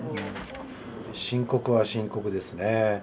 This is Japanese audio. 深刻は深刻ですね。